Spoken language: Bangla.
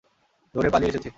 দৌড়ে পালিয়ে এসেছি।